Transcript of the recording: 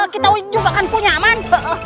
kita juga akan punya man